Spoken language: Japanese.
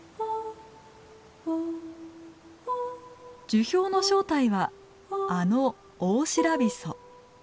樹氷の正体はあのオオシラビソ。